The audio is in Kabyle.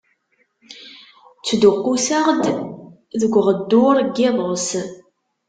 Ttduqquseɣ-d deg uɣeddur n yiḍes.